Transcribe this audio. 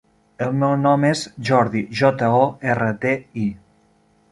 El meu nom és Jordi: jota, o, erra, de, i.